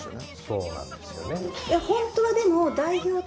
そうなんですよね。